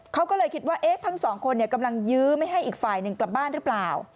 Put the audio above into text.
เขาก็เลยคิดว่าทั้งสองคนกำลังยื้อไม่ให้อีกฝ่ายหนึ่งกลับบ้านหรือเปล่า